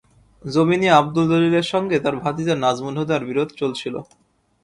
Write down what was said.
জমি নিয়ে আবদুল জলিলের সঙ্গে তাঁর ভাতিজা নাজমুল হুদার বিরোধ চলছিল।